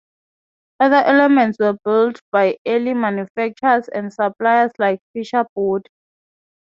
Other elements were built by early manufacturers and suppliers like Fisher Body.